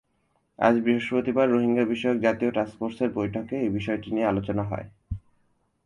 আজ বৃহস্পতিবার রোহিঙ্গাবিষয়ক জাতীয় টাস্কফোর্সের বৈঠকে এ বিষয়টি নিয়ে আলোচনা হয়।